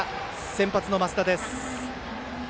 先発の升田です。